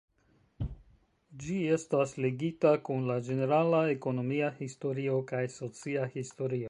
Ĝi estas ligita kun la ĝenerala ekonomia historio kaj socia historio.